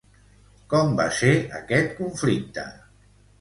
Com va ser aquest conflicte?